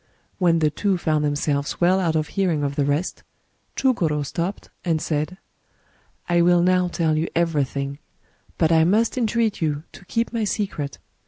When the two found themselves well out of hearing of the rest, Chugor5 stopped, and said :—" I will now tell you everything ; but I must entreat you to keep my secret.